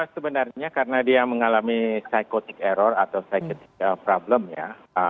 sebenarnya karena dia mengalami psychotic error atau psyctive problem ya